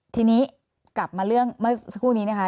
ทีนี้กลับมาเรื่องเมื่อสักครู่นี้นะคะ